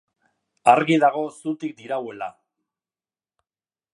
Argi dago zutik dirauela.